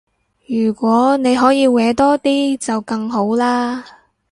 如果你可以搲多啲就更好啦